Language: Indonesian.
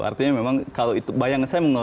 artinya memang kalau bayangkan saya